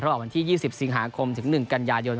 ระหว่างวันที่๒๐สิงหาคมถึง๑กันยายน